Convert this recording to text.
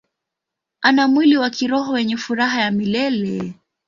Ana mwili wa kiroho wenye furaha ya milele.